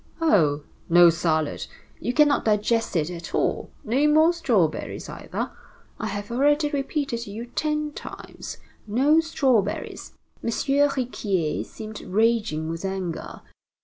Oh! no salad! You cannot digest it at all. No more strawberries either! I have already repeated to you ten times, no strawberries!" M. Riquier seemed raging with anger.